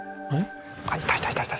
あっいたいたいたいた。